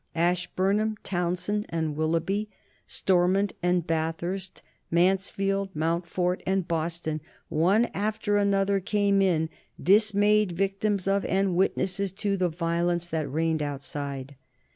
Ashburnham, Townshend and Willoughby, Stormont and Bathurst, Mansfield, Mountfort, and Boston, one after another came in, dismayed victims of and witnesses to the violence that reigned outside.